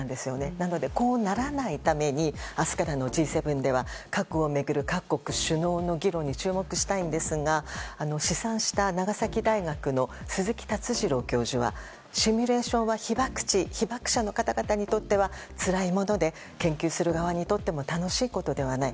なので、こうならないために明日からのＧ７では核を巡る各国首脳の議論に注目したいんですが試算した長崎大学の鈴木達治郎教授はシミュレーションは被爆地被爆者の方々にとってはつらいもので研究する側にとっても楽しいことではない。